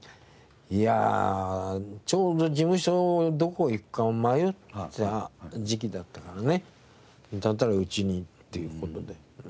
いやあちょうど事務所どこ行くか迷ってた時期だったからねだったらうちにっていう事で。